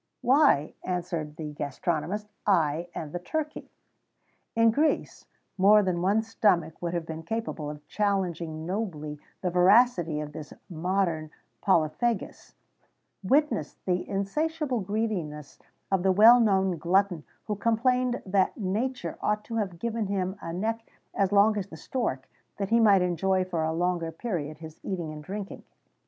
"Why," answered the gastronomist, "I and the turkey." In Greece, more than one stomach would have been capable of challenging nobly the voracity of this modern polyphagus: witness the insatiable greediness of the well known glutton who complained that nature ought to have given him a neck as long as the stork, that he might enjoy for a longer period his eating and drinking.